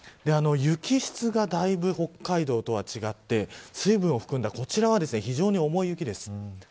雪質がだいぶ北海道とは違って水分を含んだこちらは非常にお重い雪です。